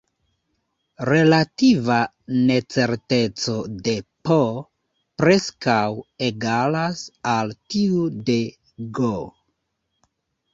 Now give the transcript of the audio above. Relativa necerteco de "P" preskaŭ egalas al tiu de "G".